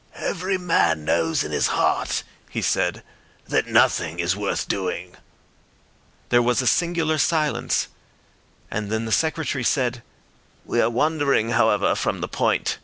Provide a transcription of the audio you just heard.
"Every man knows in his heart," he said, "that nothing is worth doing." There was a singular silence, and then the Secretary said— "We are wandering, however, from the point.